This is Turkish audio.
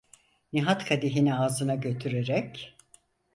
Nihat kadehini ağzına götürerek: